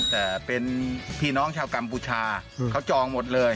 แต่เป็นพี่น้องชาวกัมพูชาเขาจองหมดเลย